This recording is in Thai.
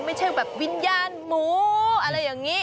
ไม่ใช่แบบวิญญาณหมูอะไรอย่างนี้